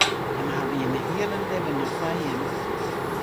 Jimme hawwe jimme hiele libben noch foar jimme.